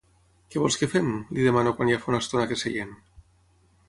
Què vols que fem? —li demano quan ja fa una estona que seiem.